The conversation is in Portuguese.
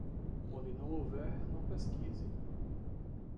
Onde não houver, não pesquise.